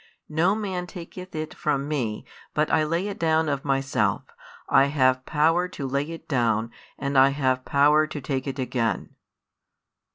No man taketh it from Me, but I lay it down of Myself. I have power to lay it down, and I have power to take it again.